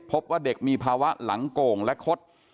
พบว่าเด็กมีภาวะหลังโก่งและคด